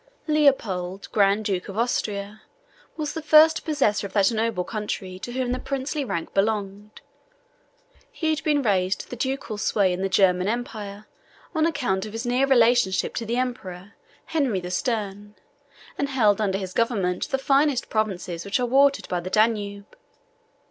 Leopold, Grand Duke of Austria, was the first possessor of that noble country to whom the princely rank belonged. He had been raised to the ducal sway in the German Empire on account of his near relationship to the Emperor, Henry the Stern, and held under his government the finest provinces which are watered by the Danube.